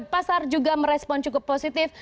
pasar juga merespon cukup positif